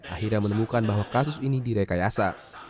akhirnya menemukan bahwa kasus ini direkayasa